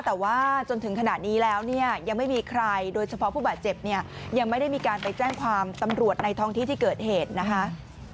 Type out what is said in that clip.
แต่ว่าจนถึงขณะนี้แล้วเนี่ยยังไม่มีใครโดยเฉพาะผู้บาดเจ็บเนี่ยยังไม่ได้มีการไปแจ้งความตำรวจในท้องที่ที่เกิดเหตุนะคะ